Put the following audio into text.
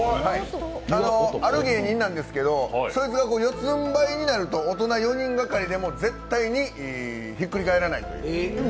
ある芸人なんですけどそいつが四つんばいになると大人４人掛かりでも絶対にひっくり返らないという。